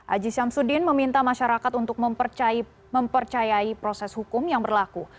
aji syamsuddin meminta masyarakat untuk mempercayai proses hukum yang berlaku